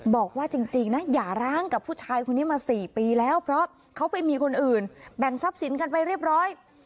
บอกว่าจริงนะอย่าร้างกับผู้ชายคนนี้มา๔ปีแล้วเพราะเขาไปมีคนอื่นแบ่งทรัพย์สินกันไปเรียบร้อย